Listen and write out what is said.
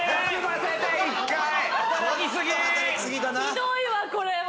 ひどいわこれは。